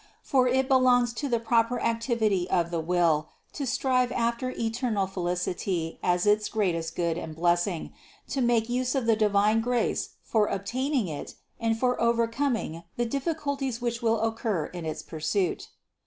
For it belongs to the proper activity of the will to strive after eternal felicity as its greatest good and blessing, to make use of divine grace for ob taining it and for overcoming the difficulties which will occur in its pursuit.